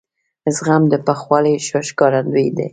زغم د پوخوالي ښکارندوی دی.